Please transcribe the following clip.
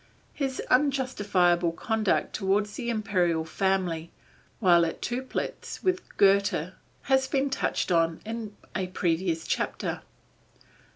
His unjustifiable conduct toward the Imperial family, while at Töplitz with Goethe, has been touched on in a previous chapter.